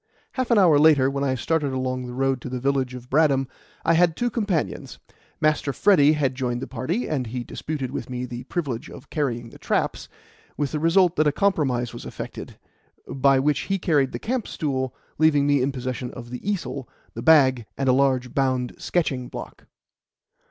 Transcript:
Half an hour later, when I started along the road to the village of Bradham, I had two companions. Master Freddy had joined the party, and he disputed with me the privilege of carrying the "traps," with the result that a compromise was effected, by which he carried the camp stool, leaving me in possession of the easel, the bag, and a large bound sketching block.